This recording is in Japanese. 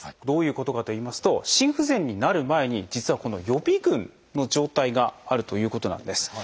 どういうことかといいますと心不全になる前に実はこの予備群の状態があるということなんです。